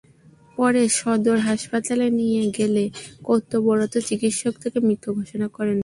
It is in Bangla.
পরে সদর হাসপাতালে নিয়ে গেলে কর্তব্যরত চিকিৎসক তাকে মৃত ঘোষণা করেন।